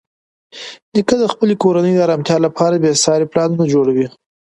نیکه د خپلې کورنۍ د ارامتیا لپاره بېساري پلانونه جوړوي.